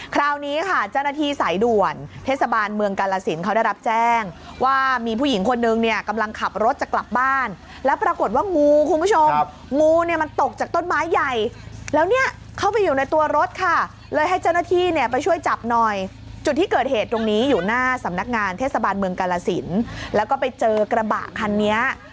คราวนี้ค่ะเจ้าหน้าที่สายด่วนเทศบาลเมืองกาลสินเขาได้รับแจ้งว่ามีผู้หญิงคนนึงเนี่ยกำลังขับรถจะกลับบ้านแล้วปรากฏว่างูคุณผู้ชมงูเนี่ยมันตกจากต้นไม้ใหญ่แล้วเนี่ยเข้าไปอยู่ในตัวรถค่ะเลยให้เจ้าหน้าที่เนี่ยไปช่วยจับหน่อยจุดที่เกิดเหตุตรงนี้อยู่หน้าสำนักงานเทศบาลเมืองกาลสินแล้วก็ไปเจอกระบะคันนี้